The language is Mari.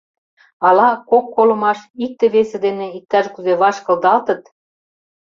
Ала кок колымаш икте-весе дене иктаж-кузе ваш кылдалтыт?